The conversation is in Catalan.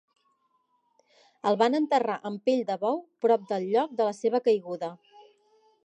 El van enterrar amb pell de bou prop del lloc de la seva caiguda.